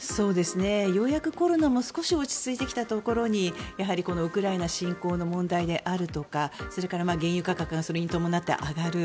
ようやくコロナも少し落ち着いてきたところにやはりこのウクライナ侵攻の問題であるとかそれから原油価格がそれに伴って上がる。